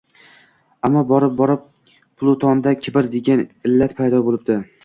Ammo, borib-borib Plutonda kibr degan illat paydo boʻlibdi